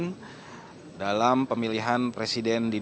hai dalam pemilihan presiden di